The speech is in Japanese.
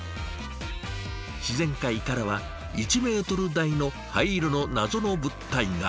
自然界からは１ｍ大の灰色のナゾの物体が。